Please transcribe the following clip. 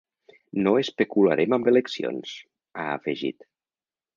“No especularem amb eleccions”, ha afegit.